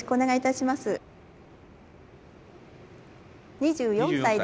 ２４歳です。